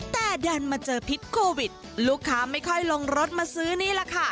แต่ดันมาเจอพิษโควิดลูกค้าไม่ค่อยลงรถมาซื้อนี่แหละค่ะ